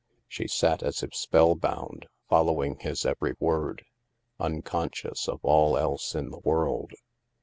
She sat as if spellbound, fol lowing his every word, unconscious of all else in the world.